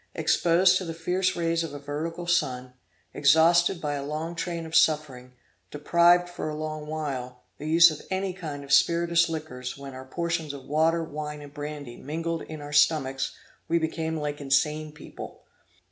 Exposed to the fierce rays of a vertical sun; exhausted by a long train of suffering; deprived for a long while, the use of any kind of spirituous liquors, when our portions of water, wine and brandy mingled in our stomachs we became like insane people.